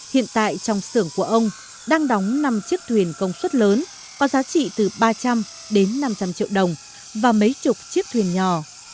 hiện tại trong xưởng của ông đang đóng năm chiếc thuyền công suất lớn có giá trị từ ba trăm linh đến năm trăm linh triệu đồng và mấy chục chiếc thuyền nhỏ